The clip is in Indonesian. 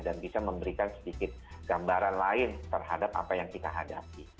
dan bisa memberikan sedikit gambaran lain terhadap apa yang kita hadapi